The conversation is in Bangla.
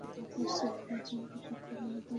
কলেজটি এক থেকে দ্বাদশ শ্রেণী পর্যন্ত শিক্ষাদান করে।